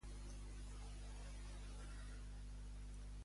Així els manters podran aconseguir papers i regularitzar-se.